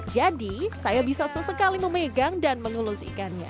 jadi saya bisa sesekali memegang dan mengelus ikannya